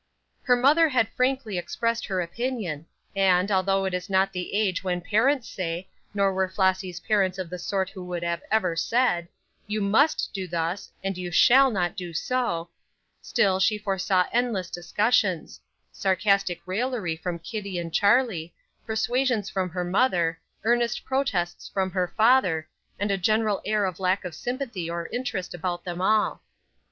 Her mother had frankly expressed her opinion, and, although it is not the age when parents say, nor were Flossy's parents of the sort who would ever have said, "You must do thus, and you shall not do so," still, she foresaw endless discussions; sarcastic raillery from Kittie and Charlie; persuasions from her mother; earnest protests from her father, and a general air of lack of sympathy or interest about them all.